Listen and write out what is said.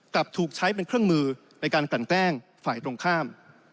กลับถูกใช้เป็นเครื่องมือในการกลั่นแกล้งฝ่ายตรงข้าม